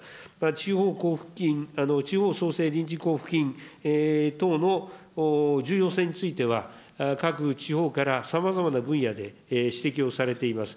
地方交付金、地方創生臨時交付金等の重要性については、各地方からさまざまな分野で指摘をされています。